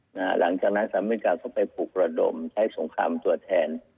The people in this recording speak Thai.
หลังจากนั้นสหรัฐอเมริกาเข้าไปปลุกระดมใช้สงครามตัวแทน